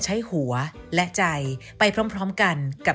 สวัสดีค่ะ